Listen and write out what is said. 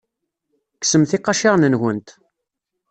Kksemt iqaciren-nwent.